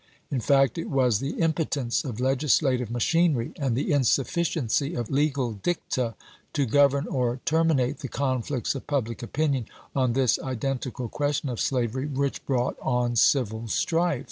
In fact it was. the impotence of legislative machinery, and the insufficiency of legal dicta to govern or termi nate the conflicts of public opinion on this identical question of slavery, which brought on civil strife.